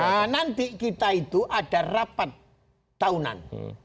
nah nanti kita itu ada rapat tahunan